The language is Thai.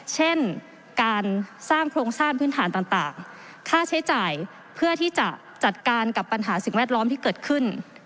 เช่นการสร้างโครงสร้างพื้นฐานต่างค่าใช้จ่ายเพื่อที่จะจัดการกับปัญหาสิ่งแวดล้อมที่เกิดขึ้น